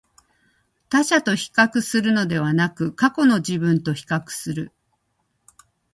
他者と比較するのではなく、過去の自分と比較する